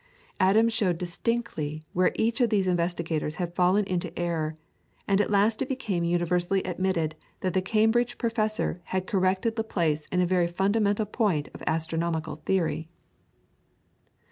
Adams showed distinctly where each of these investigators had fallen into error, and at last it became universally admitted that the Cambridge Professor had corrected Laplace in a very fundamental point of astronomical theory.